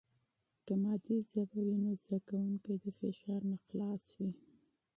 که مادي ژبه وي، نو زده کوونکي د فشار نه خلاص وي.